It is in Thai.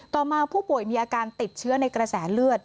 ต่อมาผู้ป่วยมีอาการติดเชื้อในกระแสเลือด